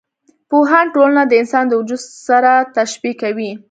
پوهان ټولنه د انسان د وجود سره تشبي کوي.